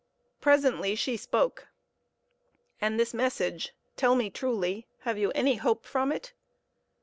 Presently she spoke "And this message tell me truly, have you any hope from it?"